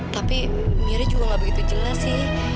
tapi mira juga gak begitu jelas sih